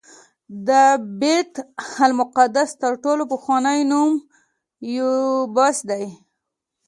د بیت المقدس تر ټولو پخوانی نوم یبوس دی.